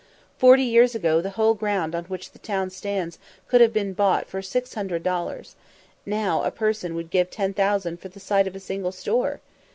Forty years ago the whole ground on which the town stands could have been bought for six hundred dollars; now, a person would give ten thousand for the site of a single store.